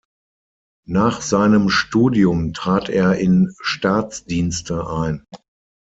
Nach seinem Studium trat er in Staatsdienste ein.